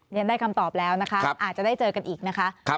ได้คำตอบแล้วนะคะอาจจะได้เจอกันอีกนะคะ